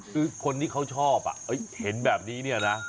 คือคนที่เขาชอบเห็นแบบนี้เนี่ยนะ